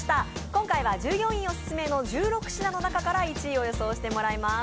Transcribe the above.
今回は従業員オススメの１６品の中から１位を予想してもらいます。